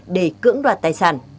để cưỡng đoạt tài sản